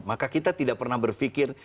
maka kita tidak pernah berpikir